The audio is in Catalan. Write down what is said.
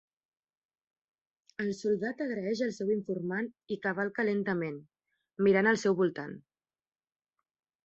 El soldat agraeix al seu informant i cavalca lentament, mirant al seu voltant.